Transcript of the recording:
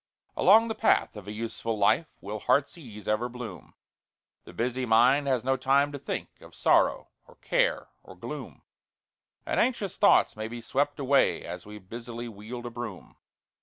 Along the path of a useful life Will heart's ease ever bloom; The busy mind has no time to think Of sorrow, or care, or gloom; And anxious thoughts may be swept away As we busily wield a broom.